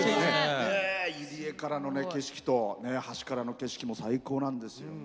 入り江からの景色と橋からの景色も最高なんです。